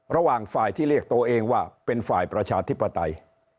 ระหว่างฝ่ายที่เรียกตัวเองว่าเป็นฝ่ายประชาธิปไตย